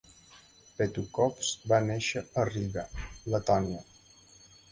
Petukhovs va néixer a Riga, Letònia.